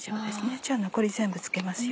じゃあ残り全部付けますよ。